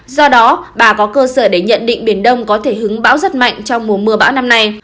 do đó bà có cơ sở để nhận định biển đông có thể hứng bão rất mạnh trong mùa mưa bão năm nay